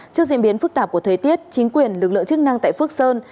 trước diễn biến phức tạp của thời tiết chính quyền lực lượng chức năng tại phước sơn